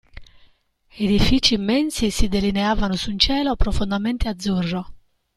Edifici immensi si delineavano su un cielo profondamente azzurro.